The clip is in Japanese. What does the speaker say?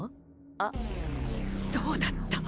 あ、そうだった。